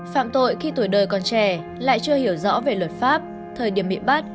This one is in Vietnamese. phạm tội khi tuổi đời còn trẻ lại chưa hiểu rõ về luật pháp thời điểm bị bắt